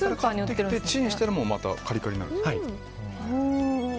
チンしたらまたカリカリになる。